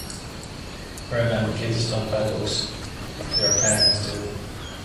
Remember, kids don't buy books, thier parents do.